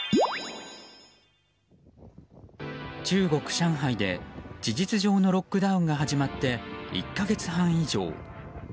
中国・上海で事実上のロックダウンが始まって１か月半以上。